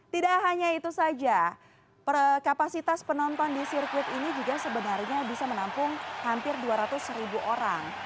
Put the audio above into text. tidak hanya itu saja kapasitas penonton di sirkuit ini juga sebenarnya bisa menampung hampir dua ratus ribu orang